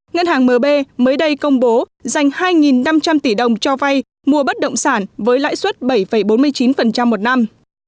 ngân hàng mb mới đây công bố dành hai năm trăm linh tỷ đồng cho vay mua bất động sản với lãi suất bảy bốn mươi chín một năm